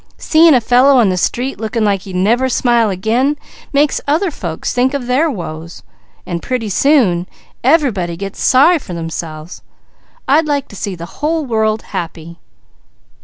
Seeing a fellow on the street looking like he'd never smile again, makes other folks think of their woes, so pretty soon everybody gets sorry for themselves. I'd like to see the whole world happy."